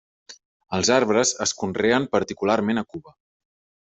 Els arbres es conreen particularment a Cuba.